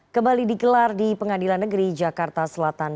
kembali digelar di pengadilan negeri jakarta selatan